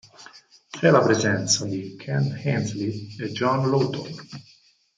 C'è la presenza di Ken Hensley e John Lawton.